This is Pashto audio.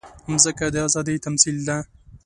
مځکه د ازادۍ تمثیل ده.